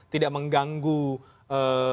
tidak mengganggu hakim dan lain lain